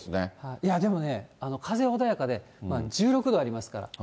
いや、でもね、風は穏やかで、１６度ありますから。